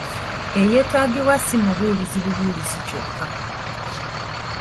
Eyeetaagibwa si mubuulizi bubuulizi kyokka.